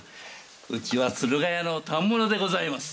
うちは駿河屋の反物でございます。